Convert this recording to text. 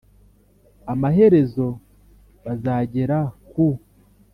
Amaherezo bazagera ku